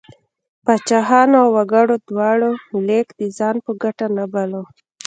پاچاهانو او وګړو دواړو لیک د ځان په ګټه نه باله.